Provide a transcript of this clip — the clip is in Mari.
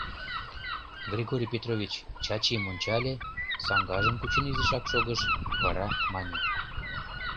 Григорий Петрович Чачим ончале, саҥгажым кучен изишак шогыш, вара мане: